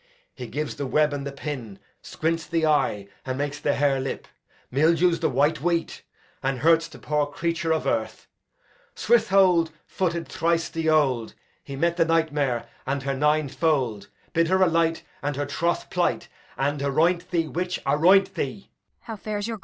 He gives the web and the pin, squints the eye, and makes the harelip; mildews the white wheat, and hurts the poor creature of earth. Saint Withold footed thrice the 'old; He met the nightmare, and her nine fold; Bid her alight And her troth plight, And aroint thee, witch, aroint thee!